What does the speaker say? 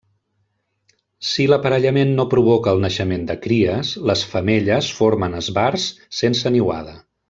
Si l'aparellament no provoca el naixement de cries, les femelles formen esbarts sense niuada.